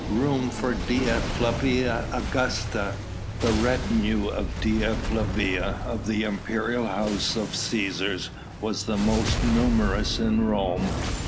Room for Dea Flavia Augusta." The retinue of Dea Flavia of the imperial house of the Cæsars was the most numerous in Rome.